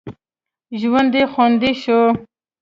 ژوند یې خوندي شو.